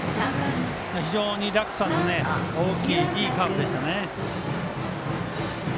非常に落差の大きいいいカーブでしたね。